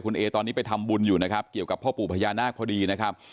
คุณเอตอนนี้ไปทำบุญอยู่นะครับเกี่ยวกับพ่อปู่พญานาคพอดีนะครับ